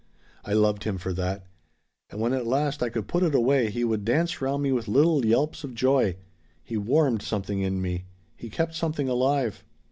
I loved him for that. And when at last I could put it away he would dance round me with little yelps of joy. He warmed something in me. He kept something alive.